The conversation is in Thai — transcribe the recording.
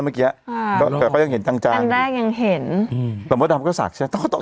เมื่อกี้อ่าแต่ก็ยังเห็นจางจางอันแรกยังเห็นอืมหลังว่าดำก็สักใช่ไหม